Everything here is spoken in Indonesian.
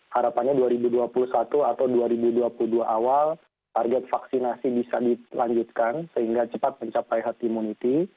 harapannya dua ribu dua puluh satu atau dua ribu dua puluh dua awal target vaksinasi bisa dilanjutkan sehingga cepat mencapai herd immunity